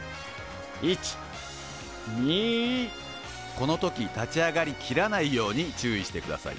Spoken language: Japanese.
この時立ち上がりきらないように注意してください。